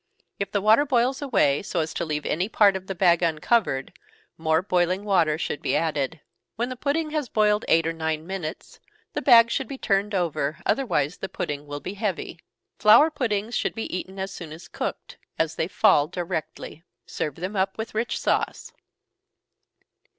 If the water boils away, so as to leave any part of the bag uncovered, more boiling water should be added. When the pudding has boiled eight or nine minutes, the bag should be turned over, otherwise the pudding will be heavy. Flour puddings should be eaten as soon as cooked, as they fall directly. Serve them up with rich sauce.